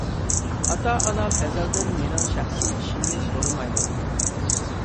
ئاتا-ئانام ئەزەلدىن مېنىڭ شەخسىي ئىشىمنى سورىمايدۇ.